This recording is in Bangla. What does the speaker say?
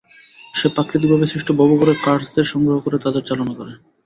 সে প্রাকৃতিকভাবে সৃষ্ট ভবঘুরে কার্সদের সংগ্রহ করে তাদের চালনা করে।